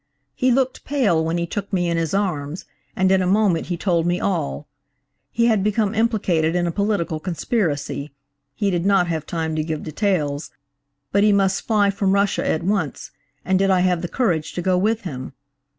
"He looked pale when he took me in his arms, and in a moment he told me all.–He had become implicated in a political conspiracy–he did not have time to give details–but he must fly from Russia at once, and did I have the courage to go with him?